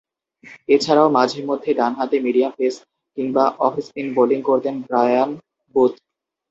এছাড়াও মাঝে-মধ্যে ডানহাতে মিডিয়াম পেস কিংবা অফ স্পিন বোলিং করতেন ব্রায়ান বুথ।